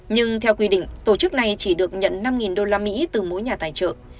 nhưng theo quy định tổ chức này chỉ được nhận năm đô la mỹ từ mỗi nhà tài trợ